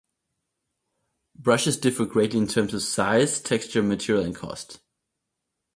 Brushes differ greatly in terms of size, texture, material, and cost.